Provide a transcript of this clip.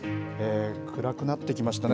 暗くなってきましたね。